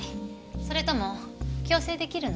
それとも強制出来るの？